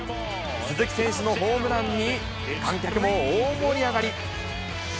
鈴木選手のホームランに、観客も大盛り上がり。